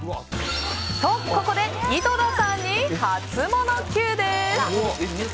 と、ここで井戸田さんにハツモノＱです。